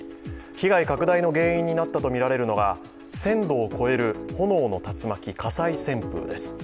被害拡大の原因になったとみられるのが１０００度を超える炎の竜巻、火災旋風です。